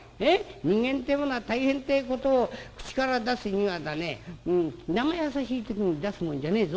人間ってえものは大変ってえことを口から出すにはだねなまやさしい時に出すもんじゃねえぞ。